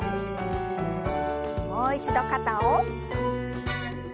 もう一度肩を。